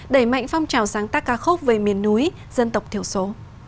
đẩy mạnh phong trào sáng tác ca khúc về miền núi dân tộc thiểu số